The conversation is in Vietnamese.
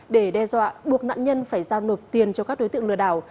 để đe dọa buộc nạn nhân phải giao nộp tiền cho các đối tượng lừa đảo